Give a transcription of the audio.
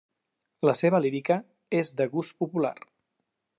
La seva lírica és de gust popular.